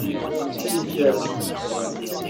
Gzer.